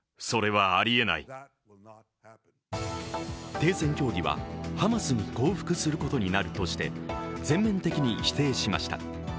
停戦協議は、ハマスに降伏することになるとして、全面的に否定しました。